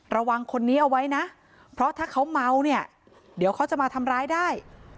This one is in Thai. ระวังคนนี้เอาไว้นะเพราะถ้าเขาเมาเนี่ยเดี๋ยวเขาจะมาทำร้ายได้